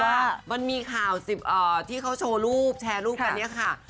ว่ามันมีข่าวที่เขาโชว์รูปแชร์รูปกันเนี่ยค่ะ